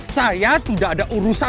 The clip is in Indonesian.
saya tidak ada urusan